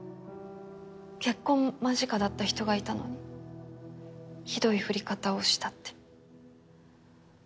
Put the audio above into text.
結婚間近だった人がいたのにひどい振り方をしたって。